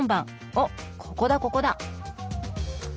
おっここだここだ！